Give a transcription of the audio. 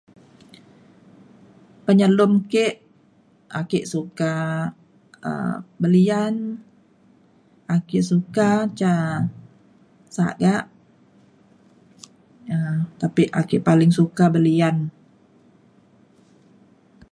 penyelum kek ake suka um belian ake suka ca saga' um tapi ake paling suka belian.